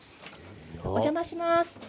お邪魔します。